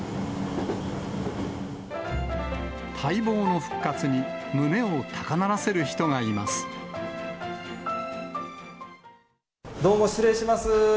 待望の復活に、どうも失礼します。